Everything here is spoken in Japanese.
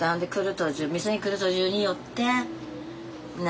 途中店に来る途中に寄ってね？